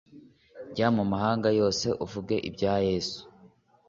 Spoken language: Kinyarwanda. jya mu mahanga yose, uvuge ibya yesu,